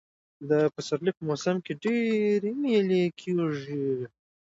د پسرلي په موسم کښي ډېرئ مېلې کېږي.